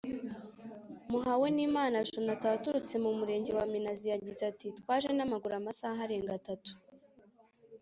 Muhawenimana Jonathan waturutse mu Murenge wa Minazi yagize ati “Twaje n’amaguru amasaha arenga atatu